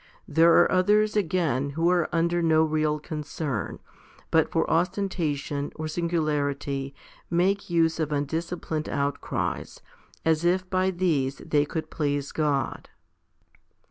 There are others again who are under no real concern, 56 HOMILY VI 57 but for ostentation or singularity make use of undisciplined outcries, as if by these they could please God.